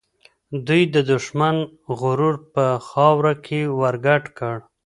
دوی د دښمن غرور په خاوره کې ورګډ کړ.